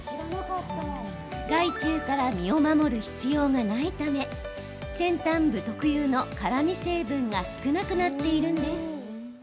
害虫から身を守る必要がないため先端部特有の辛み成分が少なくなっているんです。